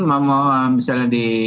mau misalnya di